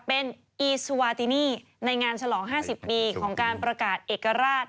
เป็นอีสวาตินี่ในงานฉลอง๕๐ปีของการประกาศเอกราช